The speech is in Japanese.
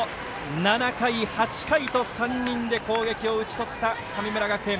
７回、８回と３人で攻撃を打ち取った神村学園。